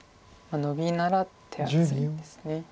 ノビなら手厚いです。